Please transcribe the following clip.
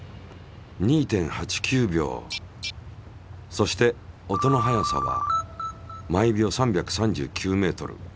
そして音の速さは毎秒３３９ｍ。